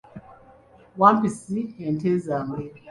Wampisi ente zange.